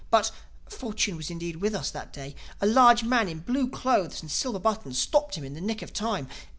But (fortune was indeed with us that day), a large man in blue clothes and silver buttons stopped him in the nick of time.